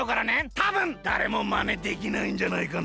たぶんだれもまねできないんじゃないかな？